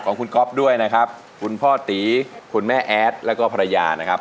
ของคุณก๊อฟด้วยนะครับคุณพ่อตีคุณแม่แอดแล้วก็ภรรยานะครับ